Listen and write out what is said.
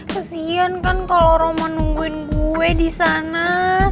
kesian kan kalo roman nungguin gue disana